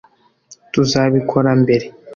Tuzabikora mbere